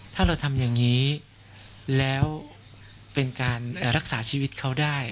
ถ้าเราทำอย่างนี้แล้วเป็นการรักษาชีวิตเขาได้